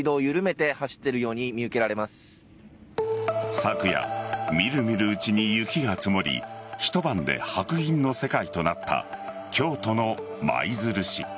昨夜みるみるうちに雪が積もり一晩で白銀の世界となった京都の舞鶴市。